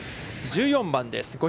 １４番です。